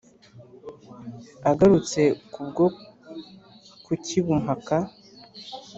agarutse nk' ubwo ku cy' i bumpaka